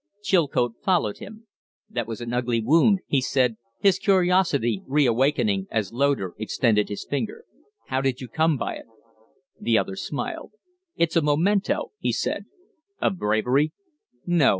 Chilcote followed him. "That was an ugly wound," he said, his curiosity reawakening as Loder extended his finger. "How did you come by it?" The other smiled. "It's a memento," he said. "Of bravery?" "No.